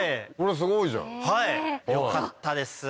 はいよかったです。